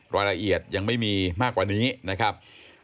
รายละเอียดยังไม่มีมากกว่านี้นะครับ